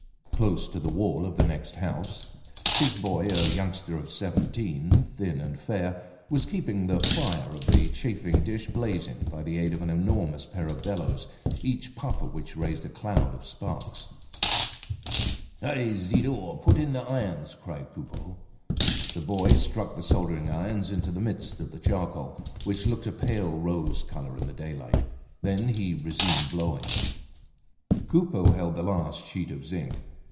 Close to the wall of the next house, his boy, a youngster of seventeen, thin and fair, was keeping the fire of the chafing dish blazing by the aid of an enormous pair of bellows, each puff of which raised a cloud of sparks. "Hi! Zidore, put in the irons!" cried Coupeau. The boy stuck the soldering irons into the midst of the charcoal, which looked a pale rose color in the daylight. Then he resumed blowing. Coupeau held the last sheet of zinc.